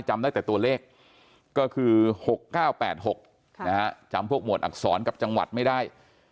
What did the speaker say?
จำได้แต่ตัวเลขก็คือ๖๙๘๖จำพวกหมวดอักษรกับจังหวัดไม่ได้